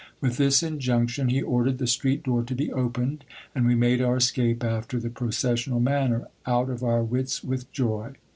With this injunction, he ordered the street door to be opened, and we made our escape after the processional manner, out of our wits with joy.